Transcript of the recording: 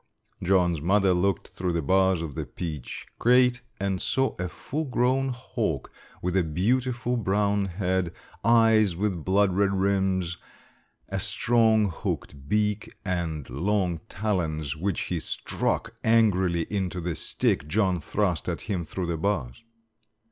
John's mother looked through the bars of the peach crate and saw a full grown hawk with a beautiful brown head, eyes with blood red rims, a strong, hooked beak, and long talons which he struck angrily into the stick John thrust at him through the bars.